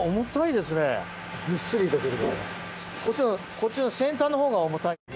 こっちの先端のほうが重たい。